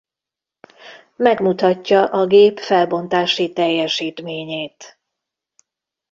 Megmutatja a gép felbontási-teljesítményét.